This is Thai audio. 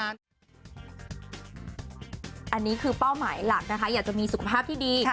อันนี้คือเป้าหมายหลักนะคะอยากจะมีสุขภาพที่ดี